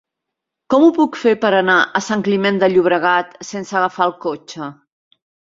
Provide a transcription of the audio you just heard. Com ho puc fer per anar a Sant Climent de Llobregat sense agafar el cotxe?